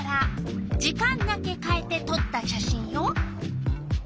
時間だけかえてとった写真よ。